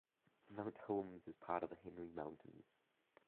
Mount Holmes is part of the Henry Mountains.